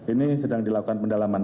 ini sedang dilakukan pendalaman